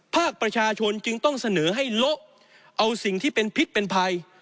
ภาคประชาชนจึงต้องเสนอให้โละเอาสิ่งที่เป็นพิษเป็นภัย